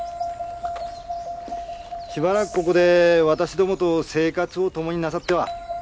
しばらくここで私どもと生活を共になさっては？